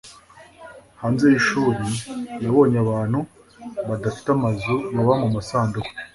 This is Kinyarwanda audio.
Hanze y'ishuri, yabonye abantu badafite amazu baba mu dusanduku.